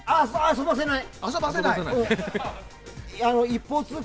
遊ばせない！